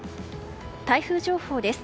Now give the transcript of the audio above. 台風情報です。